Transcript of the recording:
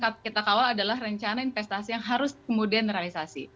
dan ini yang kita kawal adalah rencana investasi yang harus kemudian realisasi